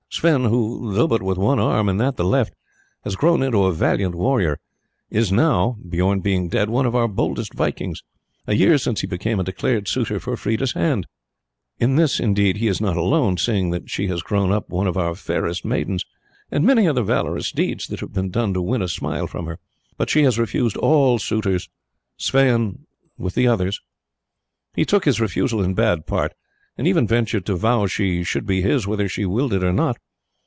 Sweyn, who though but with one arm, and that the left, has grown into a valiant warrior, is now, Bijorn being dead, one of our boldest vikings. A year since he became a declared suitor for Freda's hand. In this, indeed, he is not alone, seeing that she has grown up one of our fairest maidens, and many are the valorous deeds that have been done to win a smile from her; but she has refused all suitors, Sweyn with the others. He took his refusal in bad part, and even ventured to vow she should be his whether she willed it or not.